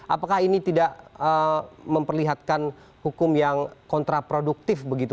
apakah ini tidak memperlihatkan hukum yang kontraproduktif begitu